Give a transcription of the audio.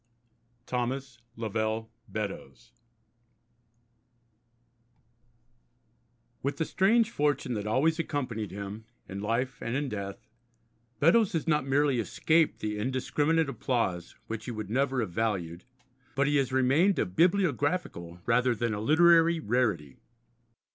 THOMAS LOVELL BEDDOES With the strange fortune that always accompanied him, in life and in death, Beddoes has not merely escaped the indiscriminate applause which he would never have valued, but he has remained a bibliographical rather than a literary rarity.